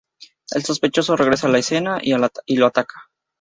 El sospechoso regresa a la escena y la ataca.